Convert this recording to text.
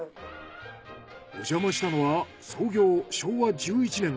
おじゃましたのは創業昭和１１年